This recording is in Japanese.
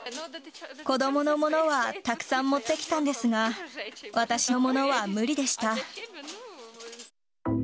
子どものものはたくさん持ってきたんですが、私のものは無理でした。